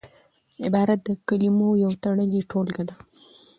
عبارت د کلمو یو تړلې ټولګه ده.